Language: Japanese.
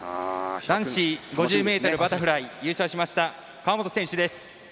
男子５０ｍバタフライ優勝しました、川本選手です。